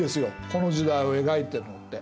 この時代を描いているのって。